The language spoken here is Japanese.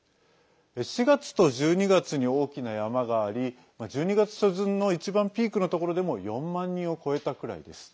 ４月と１２月に大きな山があり１２月初旬の一番ピークのところでも４万人を超えたくらいです。